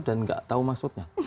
dan gak tau maksudnya